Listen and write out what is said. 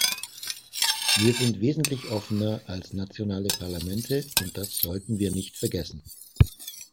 Wir sind wesentlich offener als nationale Parlamente, und dass sollten wir nicht vergessen.